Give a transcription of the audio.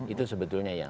itu sebetulnya yang